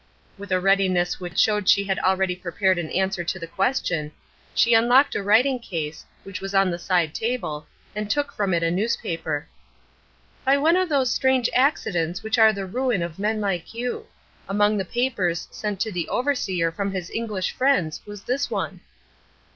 With a readiness which showed that she had already prepared an answer to the question, she unlocked a writing case, which was on the side table, and took from it a newspaper. "By one of those strange accidents which are the ruin of men like you. Among the papers sent to the overseer from his English friends was this one."